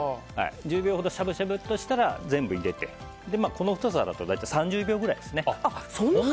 １０秒ほどしゃぶしゃぶっとしたら全部入れてこの太さだと３０秒くらいです。